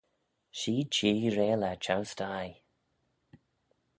Shee Jee reill er çheu-sthie.